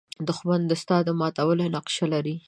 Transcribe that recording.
دښمن د ستا د ماتولو نقشه لري